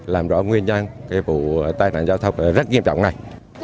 làm rõ nguyên nhân cái vụ tai nạn giao thông rất nghiêm trọng này